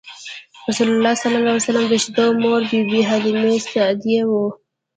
رسول الله ﷺ د شیدو مور بی بی حلیمه سعدیه وه.